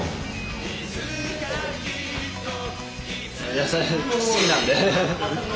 野菜好きなんで。